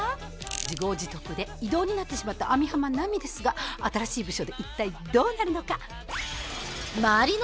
自業自得で異動になってしまった網浜奈美ですが新しい部署で一体どうなるのか？